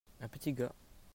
un petit gars.